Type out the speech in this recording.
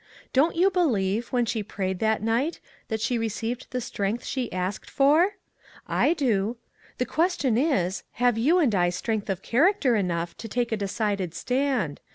Don't you believe, when she prayed that night, that she received the strength she asked for? I do. The question is, have you and I strength of character enough to take a decided stand.